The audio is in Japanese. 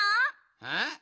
えっ？